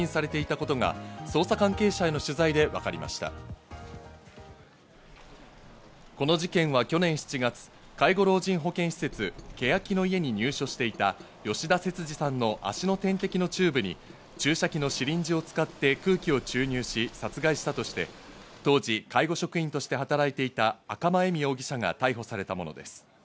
この事件は去年７月、介護老人保健施設・けやきの舎に入所していた吉田節次さんの足の点滴のチューブに注射器のシリンジを使って空気を注入し殺害したとして、当時、介護職員として働いていた赤間恵美容疑者が逮捕されたものです。